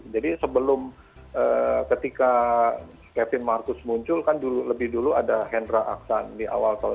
jadi sebelum ketika kevin marcus muncul kan lebih dulu ada hendra ahsan di awal tahun dua ribu